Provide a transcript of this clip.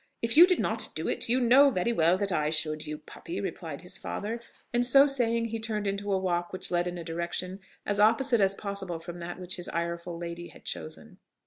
"If you did not do it, you know very well that I should, you puppy!" replied his father: and so saying, he turned into a walk which led in a direction as opposite as possible from that which his ireful lady had chosen.